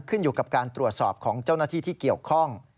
ขึ้นอยู่กับการตรวจสอบของเจ้าหน้าที่ที่เกี่ยวข้อง